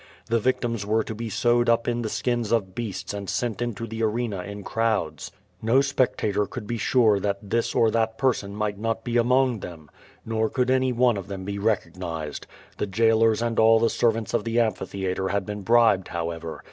The vic tims were to be sewed up in the skins of beasts and sent into the arena in crowds. No spectator could be sure that tliis or that person might not be among them. Nor could any one of them be recognized. The jailors and all the servants of the amphitheatre had been bribed, however.